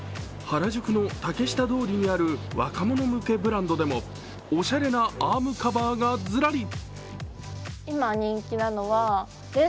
原宿の竹下通りにある若者向けブランドでもおしゃれなアームカバーがずらり。